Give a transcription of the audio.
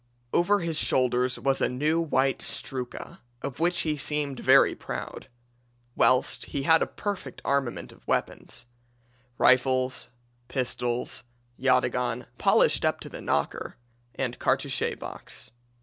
Over his shoulders was a new white strookah, of which he seemed very proud; whilst he had a perfect armament of weapons rifles, pistols, yatagan polished up to the knocker and cartouche box.